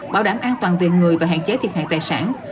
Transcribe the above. bảo đảm an toàn về người và hạn chế thiệt hại tài sản